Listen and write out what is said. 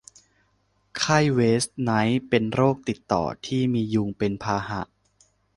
ไข้เวสต์ไนล์เป็นโรคติดต่อที่มียุงเป็นพาหะ